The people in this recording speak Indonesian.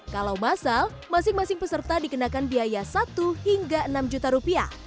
kalau masal masing masing peserta dikenakan biaya satu hingga enam juta rupiah